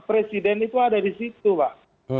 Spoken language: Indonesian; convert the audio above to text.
presiden itu ada di situ pak